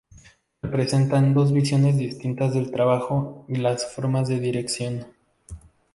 Representan dos visiones distintas del trabajo y las formas de dirección.